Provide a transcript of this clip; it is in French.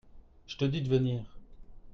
je te dis de venir.